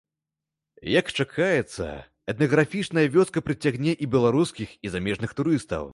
Як чакаецца, этнаграфічная вёска прыцягне і беларускіх, і замежных турыстаў.